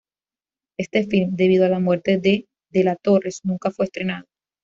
Este film debido a la muerte de de la Torres, nunca fue estrenado.